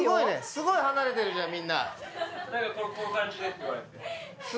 すごい離れてるじゃん。